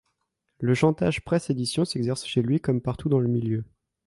Le chantage presse-édition s’exerce chez lui comme partout dans le milieu.